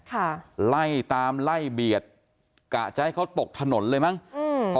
ค่ะไล่ตามไล่เบียดกะจะให้เขาตกถนนเลยมั้งอืม